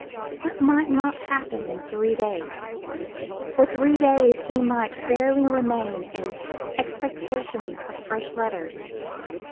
What might not happen in three days! For three days he might fairly remain in expectation of fresh letters.